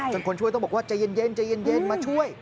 จนคนช่วยต้องบอกว่าเจียนมาช่วย